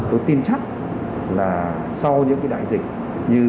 tôi tin chắc là sau những cái đại dịch như